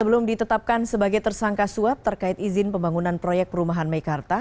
sebelum ditetapkan sebagai tersangka suap terkait izin pembangunan proyek perumahan meikarta